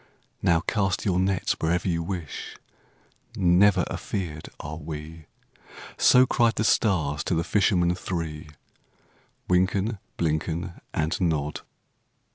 "Now cast your nets wherever you wish,— Never afeard are we!" So cried the stars to the fishermen three, Wynken, Blynken, And Nod.